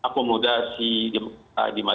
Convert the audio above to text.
akomodasi di madinah